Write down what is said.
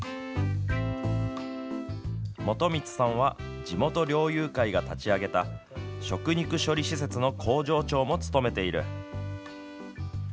元満さんは地元猟友会が立ち上げた食肉処理施設の工場長も務めている。